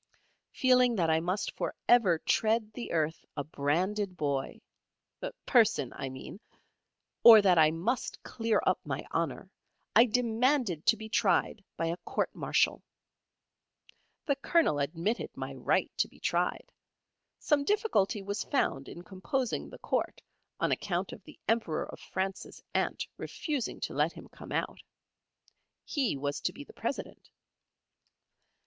Feeling that I must for ever tread the earth a branded boy person I mean or that I must clear up my honour, I demanded to be tried by a Court Martial. The Colonel admitted my right to be tried. Some difficulty was found in composing the court, on account of the Emperor of France's aunt refusing to let him come out. He was to be the President.